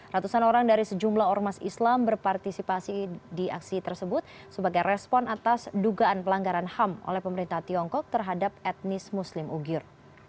ratusan orang dari sejumlah ormas islam berpartisipasi di aksi tersebut sebagai respon atas dugaan pelanggaran ham oleh pemerintah tiongkok terhadap etnis muslim ugyur